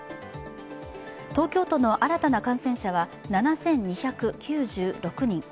東京都の新たな感染者は７２９６人。